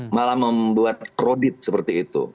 malah membuat krodit seperti itu